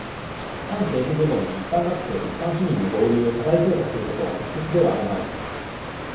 反政府デモへの、一般学生、一般市民の合流を、過大評価することは、適切ではあるまい。